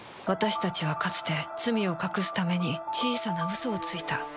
私たちはかつて罪を隠すために小さな嘘をついた